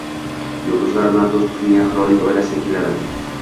Yulduzlar bilan do‘st tutingan qirollik oilasi vakillari